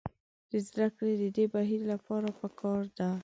د زدکړې د دې بهیر لپاره پکار ده.